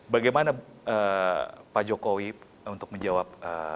bagaimana pak jokowi untuk menjawab